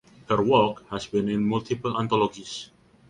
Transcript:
Her work has been in multiple anthologies.